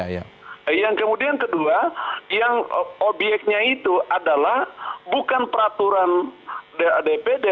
yang kemudian kedua yang obyeknya itu adalah bukan peraturan dpd